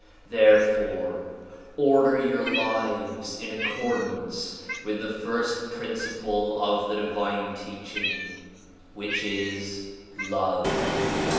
Therefore order your lives in accordance with the first principle of the divine teaching, which is love.